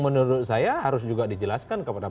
menurut saya harus juga dijelaskan kepada